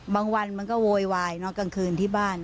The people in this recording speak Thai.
บางวันมันก็โวยวายกลางคืนที่บ้าน